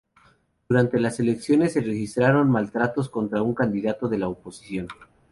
Durante las elecciones se registraron maltratos contra un candidato de la oposición.